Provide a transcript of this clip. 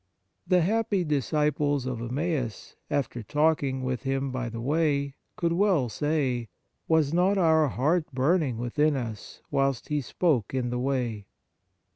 The happy disciples of Emmaus, after talking with Him by the way, could well say :" Was not our heart burning within us, whilst He spoke in the way